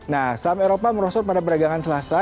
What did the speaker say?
nah saham eropa merosot pada peragangan selasa